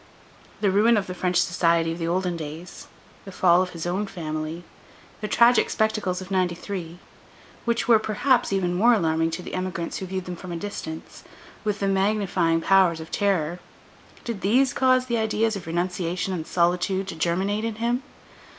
The ruin of the French society of the olden days, the fall of his own family, the tragic spectacles of '93, which were, perhaps, even more alarming to the emigrants who viewed them from a distance, with the magnifying powers of terror,—did these cause the ideas of renunciation and solitude to germinate in him?